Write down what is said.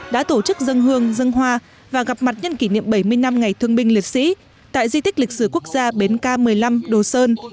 đã tổ chức dân hương dân hoa và gặp mặt nhân kỷ niệm bảy mươi năm ngày thương binh liệt sĩ tại di tích lịch sử quốc gia bến k một mươi năm đồ sơn